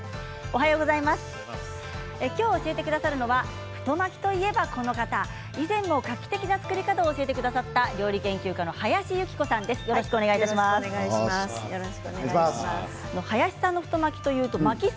今日、教えてくださるのは太巻きといえば、この方以前も画期的な作り方を教えてくださった、料理研究家のよろしくお願いします。